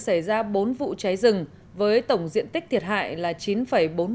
xảy ra bốn vụ cháy rừng với tổng diện tích thiệt hại là chín bốn mươi một ha